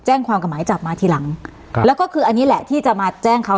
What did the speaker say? แจ้งความกับหมายจับมาทีหลังครับแล้วก็คืออันนี้แหละที่จะมาแจ้งเขา